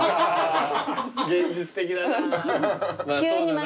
現実的だな。